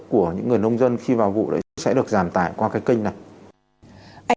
của những người nông dân khi vào vụ đấy thì sẽ được giảm tải qua cái kênh này